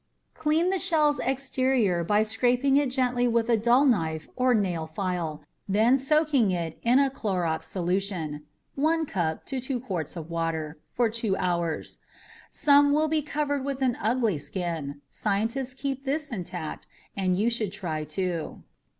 Clean the shell's exterior by scraping it gently with a dull knife or nail file, then soaking it in a Clorox solution (1 cup to 2 quarts water) for two hours. Some will be covered with an ugly skin scientists keep this intact and you should try to.